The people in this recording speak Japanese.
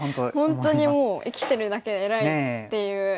本当にもう「生きてるだけでえらい」っていう。